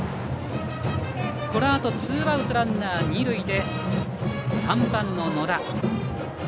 このあとツーアウトランナー、二塁で３番、野田。